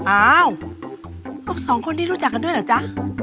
อ้าวสองคนนี้รู้จักกันด้วยเหรอจ๊ะ